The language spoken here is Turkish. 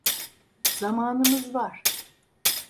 Zamanımız var.